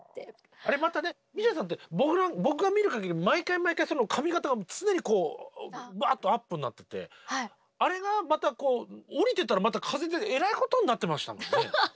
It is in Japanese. あれまたねＭＩＳＩＡさんって僕が見るかぎり毎回毎回髪形が常にこうアップになっててあれがまた下りてたらまた風でえらいことになってましたもんね。